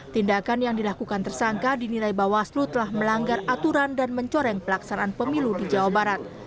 tindakan yang dilakukan tersangka dinilai bawaslu telah melanggar aturan dan mencoreng pelaksanaan pemilu di jawa barat